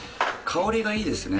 香りがいいですね。